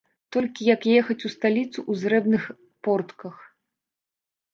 Толькі як ехаць у сталіцу ў зрэбных портках?